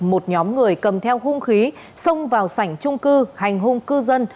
một nhóm người cầm theo hung khí xông vào sảnh trung cư hành hung cư dân